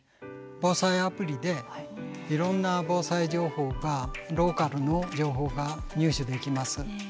防災アプリでいろんな防災情報がローカルの情報が入手できます。